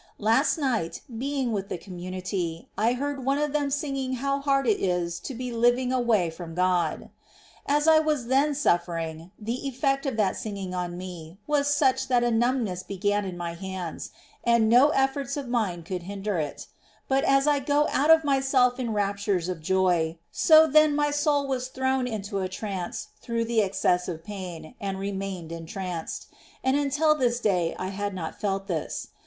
Last night, being with the community, I heard one^ of them singing how hard it is to be living away from God. As I was then suffering, the effect of that singing on me was such that a numbness began in my hands, and no efforts of mine could hinder it ; but as I go out of myself in raptures of joy, so then my soul was thrown into a trance through the excessive pain, and re mained entranced ; and until this day I had not felt this.